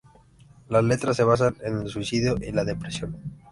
Las letras se basan en el Suicidio y la depresión.